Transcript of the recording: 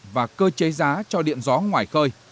và cơ chế giá cho điện gió ngoài khơi